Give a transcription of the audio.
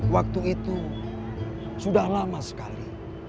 waktu itu sudah lama sekali